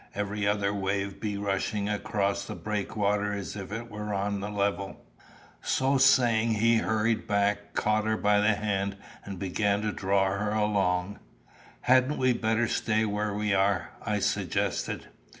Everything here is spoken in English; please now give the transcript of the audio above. Every other wave be rushing across the breakwater as if it was on the level." So saying, he hurried back, caught her by the hand, and began to draw her along. "Hadn't we better stay where we are?" I suggested.